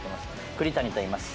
栗谷といいます。